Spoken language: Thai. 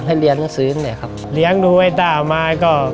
เหลียงรูไอ้ต้าออกมาก็